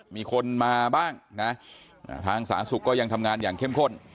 มีคนมาบ้างนะทางสาธารณสุขก็ยังทำงานอย่างเข้มข้น